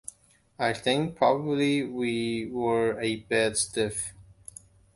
I think probably we were a bit stiff.